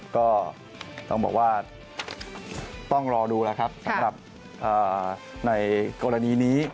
ก็ต้องบอกว่าต้องรอดูแล้วครับสำหรับในกรณีนี้